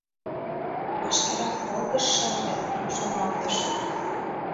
«Вашкерак волгыжшо ыле», — шоналтыш.